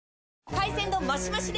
海鮮丼マシマシで！